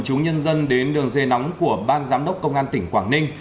từ nguồn chú nhân dân đến đường dây nóng của ban giám đốc công an tỉnh quảng ninh